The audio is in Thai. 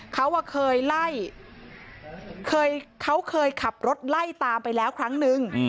เขาเคยไล่เขาเคยขับรถไล่ตามไปแล้วครั้งนึง